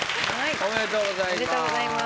おめでとうございます。